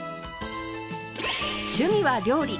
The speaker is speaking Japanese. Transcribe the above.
趣味は料理。